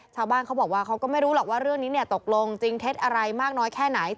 ชาวบ้านเขาบอกว่าเขาก็ไม่รู้หรอกว่าเรื่องนี้ตกลงจริงเท็จอะไรมากน้อยแค่ไหน